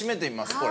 これ。